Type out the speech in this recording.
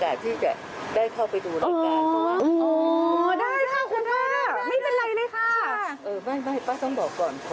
ไลน์การเราติดต่อไลน์มาร่วมแน่